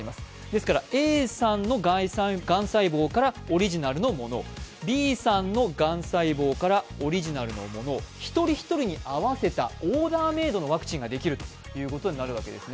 ですからＡさんのがん細胞からオリジナルのものを、Ｂさんのがん細胞からオリジナルのものを、一人一人に合わせたオーダーメイドのワクチンができるということです。